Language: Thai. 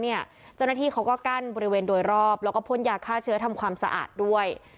เจ้าหน้าที่เขาก็กั้นบริเวณโดยรอบแล้วก็พ่นยาฆ่าเชื้อทำความสะอาดด้วย